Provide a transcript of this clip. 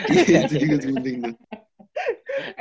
iya itu juga penting tuh